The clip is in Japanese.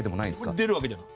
出るわけじゃない。